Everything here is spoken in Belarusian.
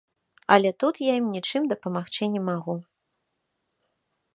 Але тут я ім нічым дапамагчы не магу.